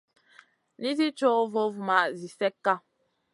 Nizi cow vovumaʼa zi slekka.